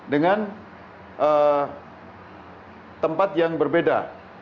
dengan tempat yang berbeda